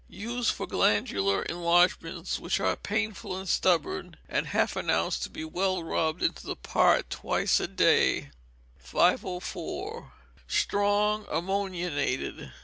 Use for glandular enlargements which are painful and stubborn, about half an ounce to be well rubbed into the part twice a day. 504. Strong Ammoniated.